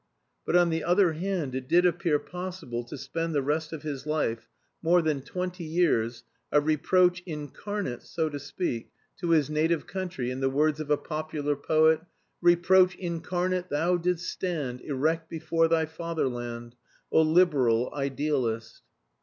But on the other hand it did appear possible to spend the rest of his life, more than twenty years, "a reproach incarnate," so to speak, to his native country, in the words of a popular poet: Reproach incarnate thou didst stand Erect before thy Fatherland, _O Liberal idealist!